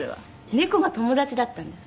猫が友達だったんです。